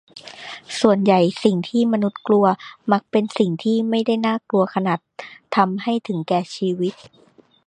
ส่วนใหญ่สิ่งที่มนุษย์กลัวมักเป็นสิ่งที่ไม่ได้น่ากลัวขนาดทำให้ถึงแก่ชีวิต